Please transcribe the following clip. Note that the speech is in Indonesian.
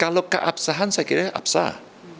kalau keapsahan saya kira apsah